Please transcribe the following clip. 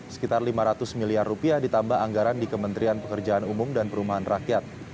sekitar lima ratus miliar rupiah ditambah anggaran di kementerian pekerjaan umum dan perumahan rakyat